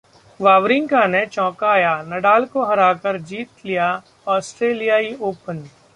Wawrinka ने चौंकाया, Nadal को हराकर जीत लिया ऑस्ट्रेलियाई ओपन